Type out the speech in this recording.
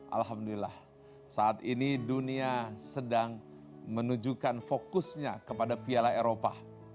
alhamdulillah saat ini dunia sedang menunjukkan fokusnya kepada piala eropa